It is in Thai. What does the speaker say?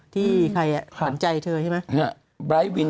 ที่ใครอ่ะวินใจเธอใช่ไหม